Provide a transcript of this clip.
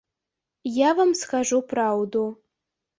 Я вам скажу праўду.